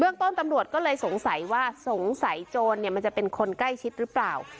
ต้นตำรวจก็เลยสงสัยว่าสงสัยโจรมันจะเป็นคนใกล้ชิดหรือเปล่า